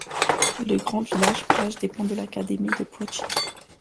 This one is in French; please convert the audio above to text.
Le Grand-Village-Plage dépend de l'académie de Poitiers.